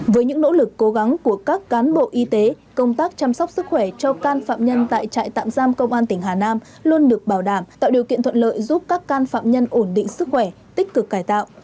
với những nỗ lực cố gắng của các cán bộ y tế công tác chăm sóc sức khỏe cho can phạm nhân tại trại tạm giam công an tỉnh hà nam luôn được bảo đảm tạo điều kiện thuận lợi giúp các can phạm nhân ổn định sức khỏe tích cực cải tạo